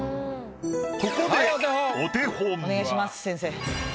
ここでお手本。